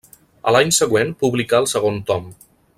A l'any següent publicà el segon tom.